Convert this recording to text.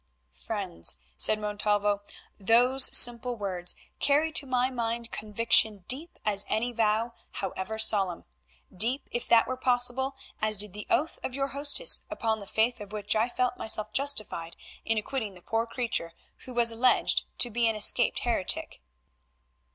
"Friends," said Montalvo, "those simple words carry to my mind conviction deep as any vow however solemn; deep, if that were possible, as did the oath of your hostess, upon the faith of which I felt myself justified in acquitting the poor creature who was alleged to be an escaped heretic."